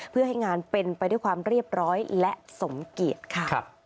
เพื่อให้งานเป็นไปด้วยความเรียบร้อยและสมเกียจค่ะ